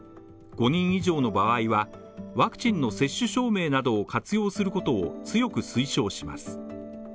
５人以上の場合は、ワクチンの接種証明などを活用することを強く推奨します。